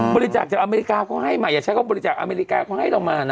บริจาคจากอเมริกาเขาให้ใหม่อย่าใช้เขาบริจาคอเมริกาเขาให้เรามานะ